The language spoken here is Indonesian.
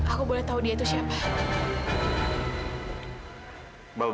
aku boleh tahu dia itu siapa